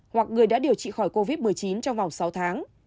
hoặc người đã điều trị khỏi covid một mươi chín trong vòng sáu tháng